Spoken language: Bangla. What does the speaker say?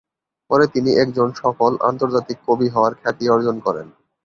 পরে তিনি একজন সফল "আন্তর্জাতিক কবি" হওয়ার খ্যাতি অর্জন করেন।